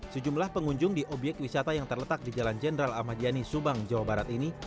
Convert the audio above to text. sejumlah pengunjung di obyek wisata yang terletak di jalan jenderal ahmadiyani subang jawa barat ini